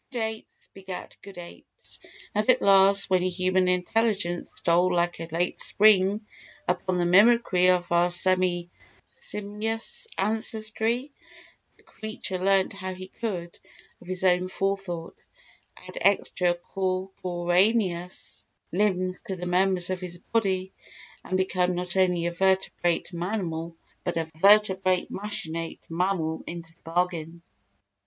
Good apes begat good apes, and at last when human intelligence stole like a late spring upon the mimicry of our semi simious ancestry, the creature learnt how he could, of his own forethought, add extra corporaneous limbs to the members of his body and become not only a vertebrate mammal, but a vertebrate machinate mammal into the bargain.